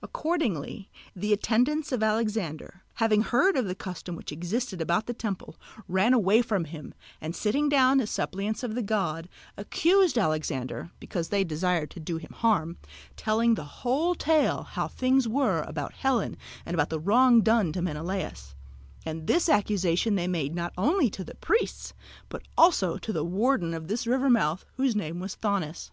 Accordingly the attendants of Alexander, having heard of the custom which existed about the temple, ran away from him, and sitting down as suppliants of the god, accused Alexander, because they desired to do him hurt, telling the whole tale how things were about Helen and about the wrong done to Menalaos; and this accusation they made not only to the priests but also to the warden of this river mouth, whose name was Thonis.